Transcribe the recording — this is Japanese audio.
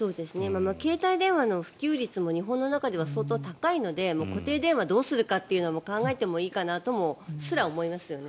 携帯電話の普及率も日本の中でも相当、高いので固定電話、どうするかというのも考えてもいいかなともすら思いますよね。